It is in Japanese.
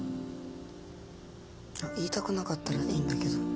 あっ言いたくなかったらいいんだけど。